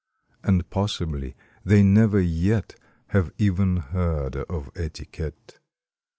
And possibly they never yet Have even heard of etiquette.